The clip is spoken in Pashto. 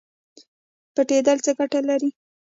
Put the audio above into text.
پټیدل څه ګټه لري؟